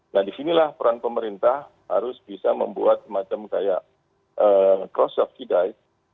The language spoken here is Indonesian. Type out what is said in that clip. nah di sinilah peran pemerintah harus bisa membuat semacam kayak cross optidize